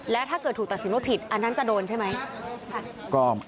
แล้วถ้าเกิดถูกตัดสินว่าผิดอันนั้นจะโดนใช่ไหม